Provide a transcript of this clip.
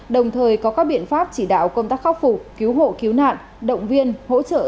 đồng thời có các biện pháp chỉ đạo công tác khắc phục cứu hộ cứu nạn động viên hỗ trợ gia đình người bị nạn